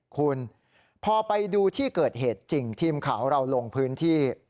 คุณพอไปดูที่เกิดเหตุจริงทีมข่าวของเราลงพื้นที่